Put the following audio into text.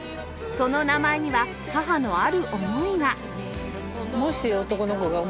その名前には母のある思いが